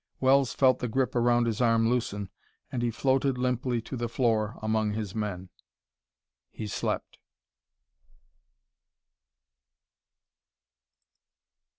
Wells felt the grip around his arm loosen, and he floated limply to the floor among his men. He slept....